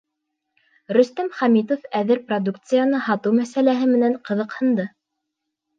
Рөстәм Хәмитов әҙер продукцияны һатыу мәсьәләһе менән ҡыҙыҡһынды.